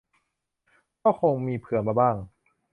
ก็คงมีเผื่อมาบ้าง